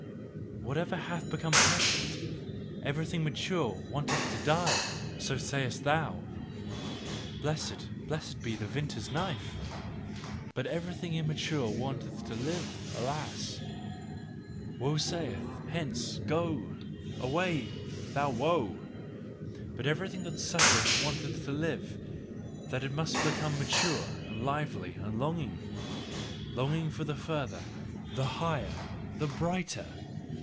"Whatever hath become perfect, everything mature wanteth to die!" so sayest thou. Blessed, blessed be the vintner's knife! But everything immature wanteth to live: alas! Woe saith: "Hence! Go! Away, thou woe!" But everything that suffereth wanteth to live, that it may become mature and lively and longing, Longing for the further, the higher, the brighter.